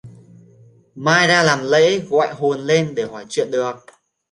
mai ra làm lễ gọi hồn lên để hỏi chuyện được